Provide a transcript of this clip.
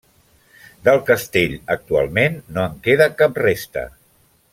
Del castell, actualment no en queda cap resta.